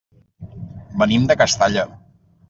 Venim de Castalla.